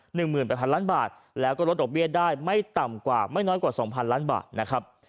๑หมื่นบาทแล้วก็ลดออกเบี้ยได้ไม่ต่ำกว่าไม่น้อยกว่า๒พันล้านบาทนะครับ